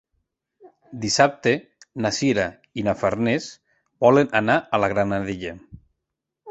Dissabte na Sira i na Farners volen anar a la Granadella.